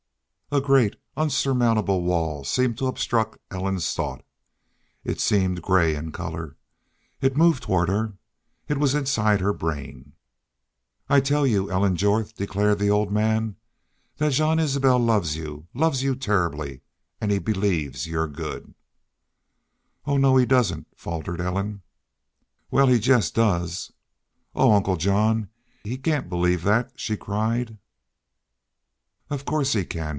A great, unsurmountable wall seemed to obstruct Ellen's thought. It seemed gray in color. It moved toward her. It was inside her brain. "I tell you, Ellen Jorth," declared the old man, "thet Jean Isbel loves you loves you turribly an' he believes you're good." "Oh no he doesn't!" faltered Ellen. "Wal, he jest does." "Oh, Uncle John, he cain't believe that!" she cried. "Of course he can.